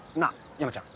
山ちゃん。